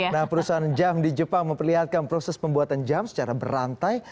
nah perusahaan jam di jepang memperlihatkan proses pembuatan jam secara berantai